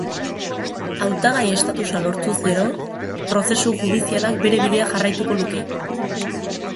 Hautagai estatusa lortuz gero, prozesu judizialak bere bidea jarraituko luke.